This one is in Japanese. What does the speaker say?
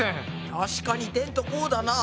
確かにテントこうだな。